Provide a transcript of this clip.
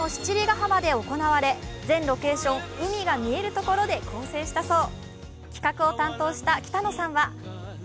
浜で行われ、全ロケーション、海が見えるところで構成したそう。